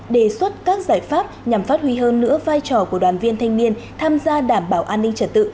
đề xuất các giải pháp nhằm phát huy hơn nữa vai trò của đoàn viên thanh niên tham gia đảm bảo an ninh trật tự